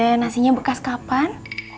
ini teh nasinya bekas kapan